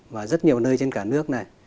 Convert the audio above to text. mà rất nhiều nơi trên cả nước này